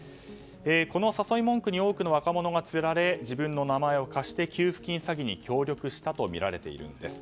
この誘い文句に多くの若者がつられ自分の名前を貸して給付金詐欺に協力したとみられています。